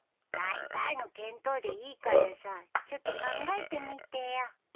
だいたいの見当でいいからさちょっと考えてみてよ。